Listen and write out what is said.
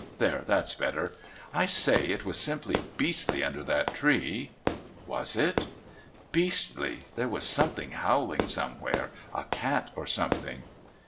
There, that's better... I say, it was simply beastly under that tree " "Was it?" "Beastly! There was something howling somewhere a cat or something."